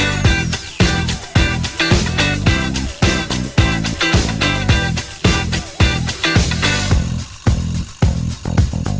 วันนี้ขอบคุณคุณแม่มากเลยครับสวัสดีครับสวัสดีค่ะ